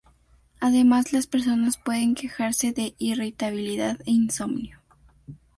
Además, las personas pueden quejarse de irritabilidad e insomnio.